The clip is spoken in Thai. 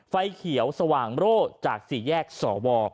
ไฟเขียวสว่างโร่จากสี่แยกสว